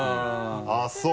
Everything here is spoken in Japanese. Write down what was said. あっそう。